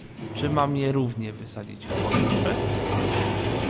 "Czy mam je równie wysadzić w powietrze?"